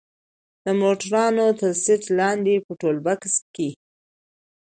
د موټروان تر سيټ لاندې په ټولبکس کښې.